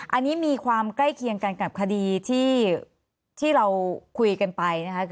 อันนี้มีความใกล้เคียงกันกับคดีที่เราคุยกันไปนะคะ